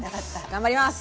頑張ります！